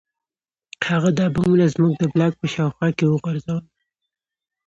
هغه دا بمونه زموږ د بلاک په شاوخوا کې وغورځول